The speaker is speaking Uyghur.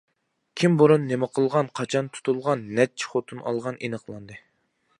كىم بۇرۇن نېمە قىلغان، قاچان تۇتۇلغان، نەچچە خوتۇن ئالغان ئېنىقلاندى.